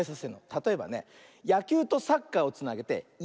たとえばね「やきゅう」と「サッカー」をつなげて「ヤッカー」。